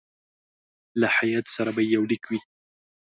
له هیات سره به یو لیک وي.